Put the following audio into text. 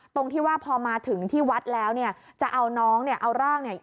ตรงที่ว่าพอมาถึงที่วัดแล้วเนี่ยจะเอาน้องเนี่ยเอาร่างเนี่ย